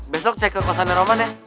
besok cek ke kosannya roman ya